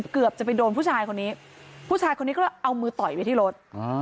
เกือบจะไปโดนผู้ชายคนนี้ผู้ชายคนนี้ก็เลยเอามือต่อยไปที่รถ